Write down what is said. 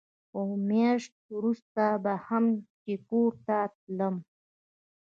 خو مياشت وروسته به هم چې کور ته تلم.